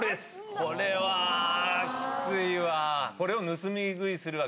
これはきついわ。